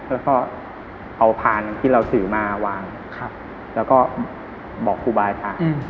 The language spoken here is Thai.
แล้วก็เอาพานที่เราถือมาวางแล้วก็บอกครูบายสาว